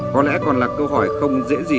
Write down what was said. có lẽ còn là câu hỏi không dễ gì